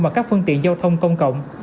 vào các phương tiện giao thông công cộng